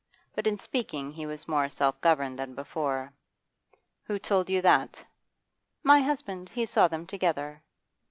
But in speaking he was more self governed than before. 'Who told you that?' 'My husband. He saw them together.